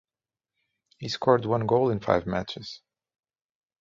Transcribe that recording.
He scored one goal in five matches.